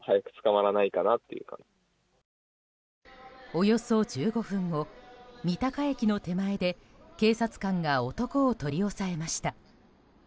およそ１５分後三鷹駅の手前で警察官が男を取り押さえました。